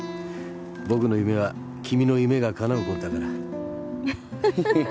僕の夢は君の夢がかなうことだから